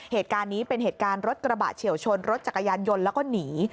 เหตุการณ์นี้เป็นเหตุการณ์รถกระบะเฉียวชนรถจักรยานยนต์แล้วก็หนี